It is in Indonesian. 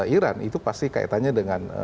iran itu pasti kaitannya dengan